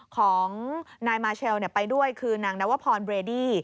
ของนายมาเชลไปด้วยคือนางนวพรเบรดี้